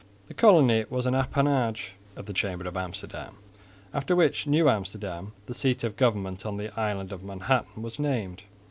This colony was an appanage of the Chamber of Amsterdam, after which New Amsterdam, the seat of government on the island of Manhattan, was named.